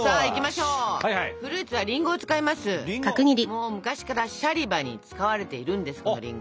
もう昔からシャリバに使われているんですこのりんご。